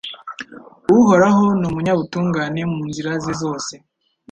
Uhoraho ni umunyabutungane mu nzira ze zose